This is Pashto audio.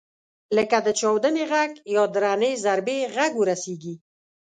لکه د چاودنې غږ یا درنې ضربې غږ ورسېږي.